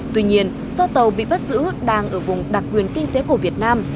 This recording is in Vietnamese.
tuy nhiên do tàu bị bắt giữ đang ở vùng đặc quyền kinh tế của việt nam